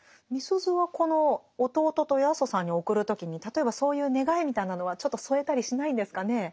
みすゞはこの弟と八十さんに送る時に例えばそういう願いみたいなのはちょっと添えたりしないんですかね。